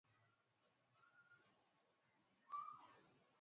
mfano ambao umechukuliwa kwenye utafiti huo ni kuwa